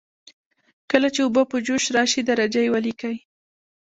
کله چې اوبه په جوش راشي درجه یې ولیکئ.